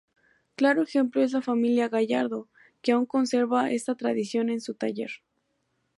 Claro ejemplo es la familia Gallardo, que aun conserva esta tradición en su taller.